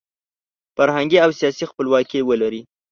فرهنګي او سیاسي خپلواکي ولري.